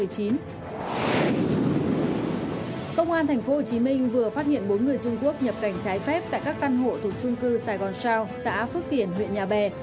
công an tp hcm vừa phát hiện bốn người trung quốc nhập cảnh trái phép tại các căn hộ thuộc trung cư sài gòn sao xã phước kiển huyện nhà bè